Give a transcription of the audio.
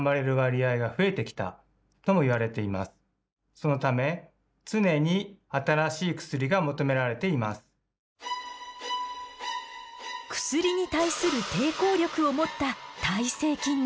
そのため薬に対する抵抗力を持った耐性菌ね。